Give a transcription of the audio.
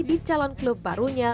di calon klub barunya